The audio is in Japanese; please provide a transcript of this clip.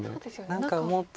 何かもっと。